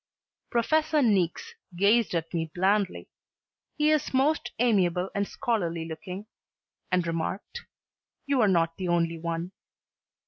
Professor Niecks gazed at me blandly he is most amiable and scholarly looking and remarked, "You are not the only one."